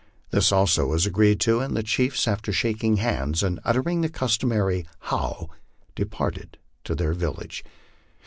This also was agreed to, and the chiefs, after shaking hands and uttering the customary "How," departed to their village.